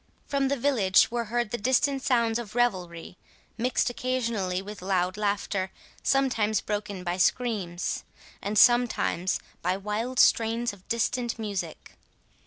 From the village were heard the distant sounds of revelry, mixed occasionally with loud laughter, sometimes broken by screams, and sometimes by wild strains of distant music.